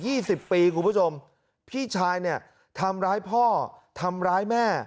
สิบปีคุณผู้ชมพี่ชายเนี่ยทำร้ายพ่อทำร้ายแม่